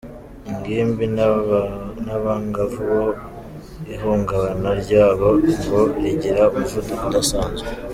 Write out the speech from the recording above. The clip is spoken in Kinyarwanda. Ingimbi n’abangavu bo ihungabana ryabo ngo rigira umuvuduko udasanzwe.